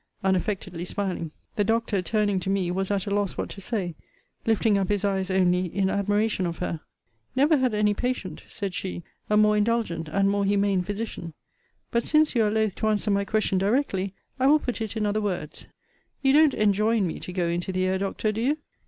Unaffectedly smiling. The doctor, turning to me, was at a loss what to say, lifting up his eyes only in admiration of her. Never had any patient, said she, a more indulgent and more humane physician. But since you are loth to answer my question directly, I will put it in other words You don't enjoin me to go into the air, Doctor, do you?